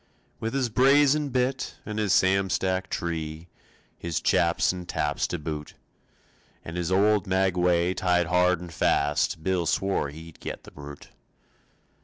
With his brazen bit and his Sam Stack tree His chaps and taps to boot, And his old maguey tied hard and fast, Bill swore he'd get the brute.